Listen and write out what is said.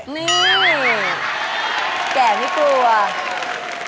นี่แก่ไม่กลัว